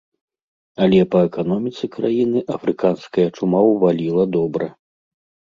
Але па эканоміцы краіны афрыканская чума ўваліла добра.